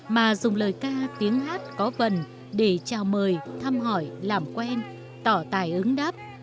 mà dùng lời ca tiếng hát có vần để chào mời thăm hỏi làm quen tỏ tài ứng đáp